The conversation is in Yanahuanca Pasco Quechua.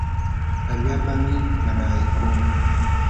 allaapami malaqaykuu.